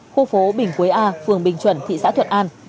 khu phố bình quế a phường bình chuẩn thị xã thuận an